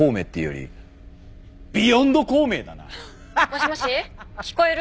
もしもし聞こえる？